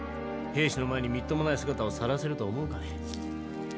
兵士の前にみっともない姿をさらせると思うかね。